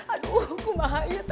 aduh kumahai ya teh